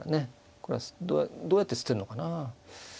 これはどうやって捨てるのかな。